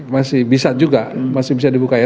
masih bisa juga masih bisa dibuka ya